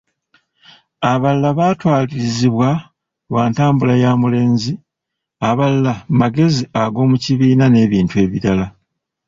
Abalala batwalirizibwa lwa ntambula ya mulenzi, abalala magezi ag'omukibiina n'ebintu ebirala.